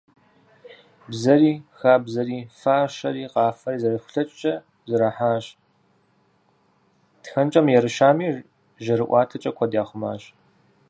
Бзэри, хабзэри, фащэри, къафэри зэрахулъэкӏкӏэ зэрахьащ, тхэнкӏэ мыерыщами, жьэрыӏуатэкӏэ куэд яхъумащ…